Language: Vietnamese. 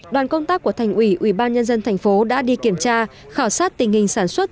đoàn công tác của thành ủy ủy ban nhân dân thành phố đã đi kiểm tra khảo sát tình hình sản xuất